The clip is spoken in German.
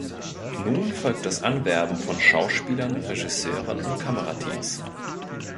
Nun folgt das Anwerben von Schauspielern, Regisseuren und Kamerateams.